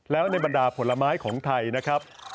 แล้วในบรรดาผลไม้ของไทยนะครับ